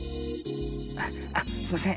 あっあっすいません。